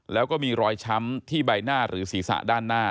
แล้วก็มีรอยช้ำที่ใบหน้าหรือศีรษะด้านหน้า